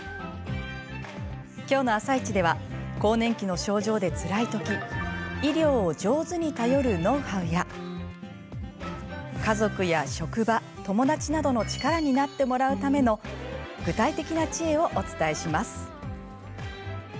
きょうの「あさイチ」では更年期の症状でつらいとき医療を上手に頼るノウハウや家族や職場、友達などに力になってもらうための具体的な知恵をお伝えします。